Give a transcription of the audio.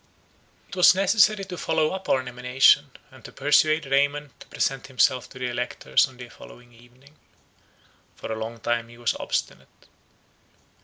It was necessary to follow up our nomination, and to persuade Raymond to present himself to the electors on the following evening. For a long time he was obstinate.